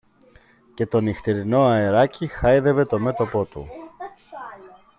Και το νυχτερινό αεράκι χάιδευε το μέτωπο του